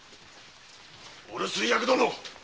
お留守居役殿。